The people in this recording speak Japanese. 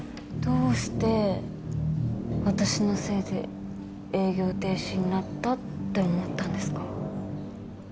どうして私のせいで営業停止になったって思ったんですか？